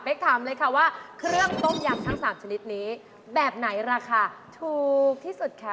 ถามเลยค่ะว่าเครื่องต้มยำทั้ง๓ชนิดนี้แบบไหนราคาถูกที่สุดคะ